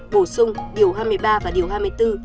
bổ sung điều hai mươi ba và điều hai mươi bốn